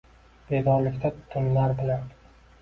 Bedorlikda tunlar bilan